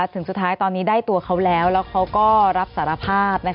ถึงสุดท้ายตอนนี้ได้ตัวเขาแล้วแล้วเขาก็รับสารภาพ